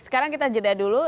sekarang kita jeda dulu